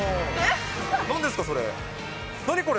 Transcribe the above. なんですか、それ。